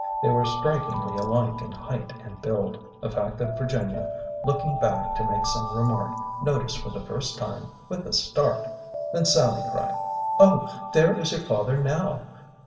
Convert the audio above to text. They were strik ingly alike in height and build, a fact that Virginia, look ing back to make some remark, noticed for the first time with a start. Then Sallie cried, " Oh, there is your father now.